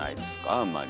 あんまり。